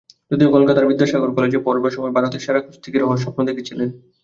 যদিও কলকাতার বিদ্যাসাগর কলেজে পড়ার সময় ভারতের সেরা কুস্তিগির হওয়ার স্বপ্ন দেখেছিলেন।